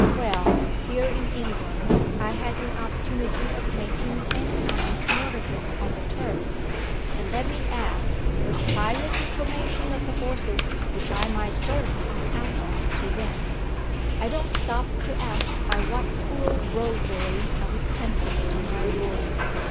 Well! here in England, I had an opportunity of making ten times more of it on the turf; and, let me add, with private information of the horses which I might certainly count on to win. I don't stop to ask by what cruel roguery I was tempted to my ruin.